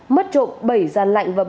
mất trộm bảy giàn lạnh